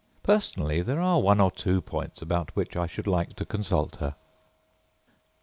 Personally, there are one or two points about which I should like to consult her.